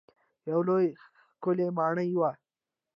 یوه لویه ښکلې ماڼۍ وه.